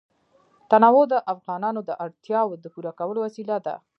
تنوع د افغانانو د اړتیاوو د پوره کولو وسیله ده.